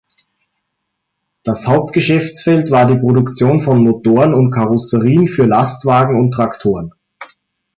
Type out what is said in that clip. Das Hauptgeschäftsfeld war die Produktion von Motoren und Karosserien für Lastwagen und Traktoren.